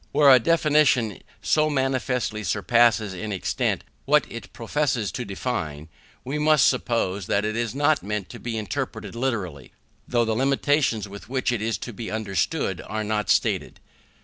When a definition so manifestly surpasses in extent what it professes to define, we must suppose that it is not meant to be interpreted literally, though the limitations with which it is to be understood are not stated.